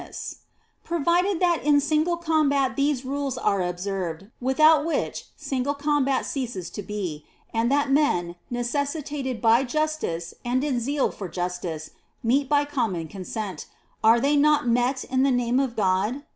n 4 Provided that in single combat these rules are observed without which single combat ceases to be, and that men necessitated by justice and in zeal for justice meet by common consent, are they not met in the name of God